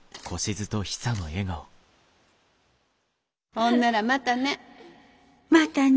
ほんならまたね。